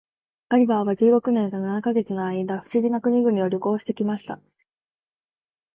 ガリバーは十六年と七ヵ月の間、不思議な国々を旅行して来ました。